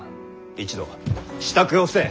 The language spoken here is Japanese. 一同支度をせい。